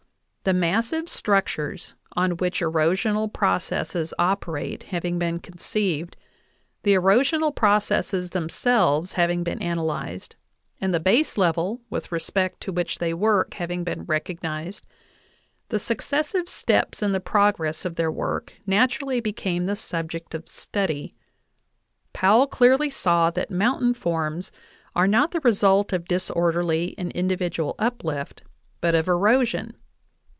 The massive structures on which ero sional processes operate having been conceived, the erosional processes themselves having been analyzed, and the baselevel with respect to which they work having been recognized, the successive steps in the progress of their work naturally became the subject of study. Powell clearly saw that mountain forms are not the result of disorderly and individual uplift, but of erosion.